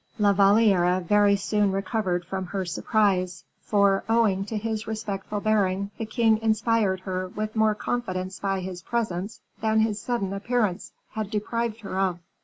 La Valliere very soon recovered from her surprise, for, owing to his respectful bearing, the king inspired her with more confidence by his presence than his sudden appearance had deprived her of.